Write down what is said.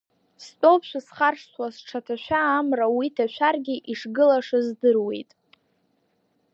Стәоуп шәысхаршҭуа, сҽаҭашәа амра, уи ҭашәаргьы, ишгылаша здыруеит.